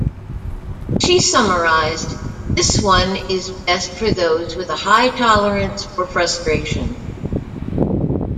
She summarized, This one is best for those with a high tolerance for frustration.